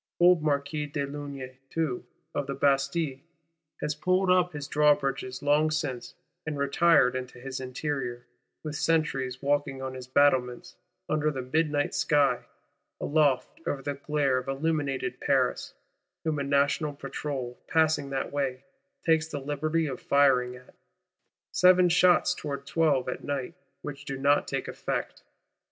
Old Marquis de Launay too, of the Bastille, has pulled up his drawbridges long since, "and retired into his interior;" with sentries walking on his battlements, under the midnight sky, aloft over the glare of illuminated Paris;—whom a National Patrol, passing that way, takes the liberty of firing at; "seven shots towards twelve at night," which do not take effect.